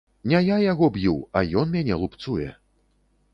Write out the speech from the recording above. Не я яго б'ю, а ён мяне лупцуе.